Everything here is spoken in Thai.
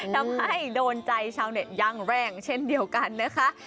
ทำให้โดนใจชาวเน็ตอย่างแรงเช่นเดียวกันนะคะ